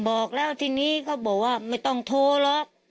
บอกแล้วทีนี้เขาบอกว่าไม่ต้องโทรหรอก